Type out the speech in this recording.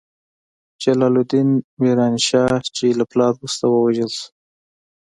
جلال الدین میران شاه، چې له پلار وروسته ووژل شو.